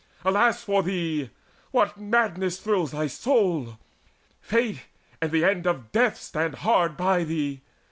Alas for thee! What madness thrills thy soul? Fate and the end of death stand hard by thee!